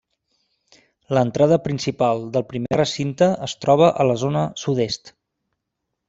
L'entrada principal del primer recinte es troba a la zona sud-est.